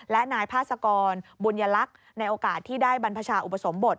และนายพาสกรบุญลักษณ์ในโอกาสที่ได้บรรพชาอุปสมบท